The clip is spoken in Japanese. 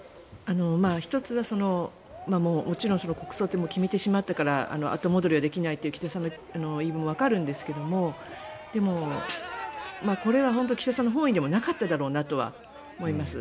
１つはもちろん国葬というのを決めてしまったから後戻りはできないという岸田さんの言い分はわかるんですがでも、これは岸田さんの本意ではなかっただろうなと思います。